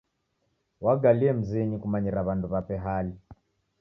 Wagalie mzinyi kumanyira w'andu w'ape hali.